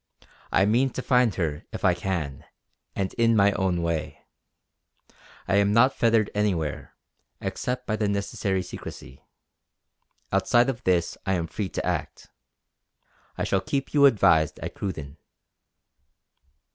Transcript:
I mean to find her if I can, and in my own way. I am not fettered anywhere, except by the necessary secrecy. Outside of this I am free to act. I shall keep you advised at Cruden."